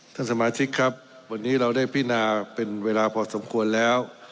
ท่านสมาชิกครับวันนี้เราได้พินาเป็นเวลาพอสมควรแล้ว